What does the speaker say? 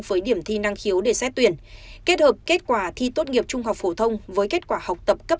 với điểm thi năng khiếu để xét tuyển kết hợp kết quả thi tốt nghiệp trung học phổ thông với kết quả học tập cấp